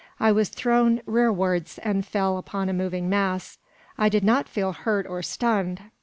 I was thrown rearwards, and fell upon a moving mass. I did not feel hurt or stunned.